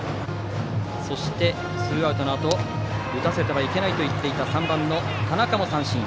そしてツーアウトのあと打たせてはいけないと言っていた３番の田中も三振。